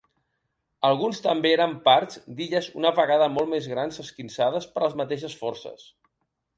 Alguns també eren parts d'illes una vegada molt més grans esquinçades per les mateixes forces.